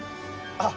あっ！